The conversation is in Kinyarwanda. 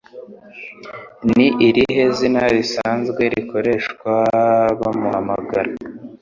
Ni irihe zina risanzwe rikoreshwa bamuhamagara